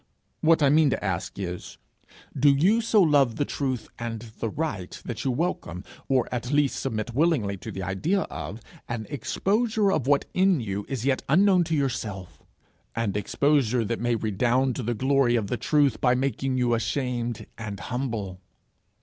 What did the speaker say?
What I mean to ask is, Do you so love the truth and the right, that you welcome, or at least submit willingly to the idea of an exposure of what in you is yet unknown to yourself an exposure that may redound to the glory of the truth by making you ashamed and humble?